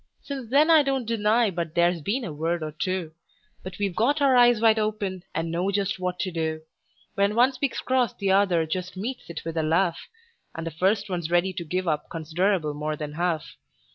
Since then I don't deny but there's been a word or two; But we've got our eyes wide open, and know just what to do: When one speaks cross the other just meets it with a laugh, And the first one's ready to give up considerable more than half.